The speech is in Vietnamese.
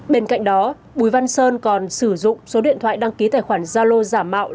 bên cạnh đó bùi văn sơn còn sử dụng số điện thoại đăng ký tài khoản gia lô giả mạo